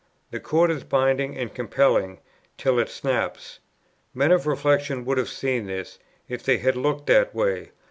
The cord is binding and compelling, till it snaps. "Men of reflection would have seen this, if they had looked that way.